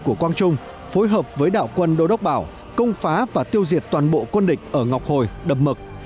của quang trung phối hợp với đạo quân đô đốc bảo công phá và tiêu diệt toàn bộ quân địch ở ngọc hồi đập mực